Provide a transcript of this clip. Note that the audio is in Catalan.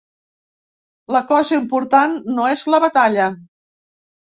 La cosa important no és la batalla.